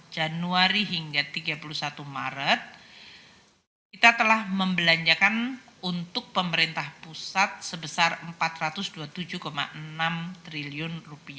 januari hingga tiga puluh satu maret kita telah membelanjakan untuk pemerintah pusat sebesar rp empat ratus dua puluh tujuh enam triliun